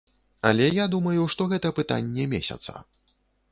Але я думаю, што гэта пытанне месяца.